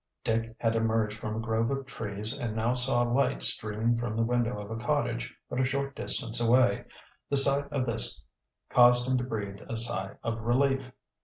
Dick had emerged from a grove of trees and now saw a light streaming from the window of a cottage but a short distance away. The sight of this caused him to breathe a sigh of relief.